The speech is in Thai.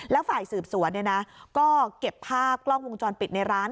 แล้วฝ่ายสืบสวนเนี่ยนะก็เก็บผ้ากล้องวงจรปิดในร้าน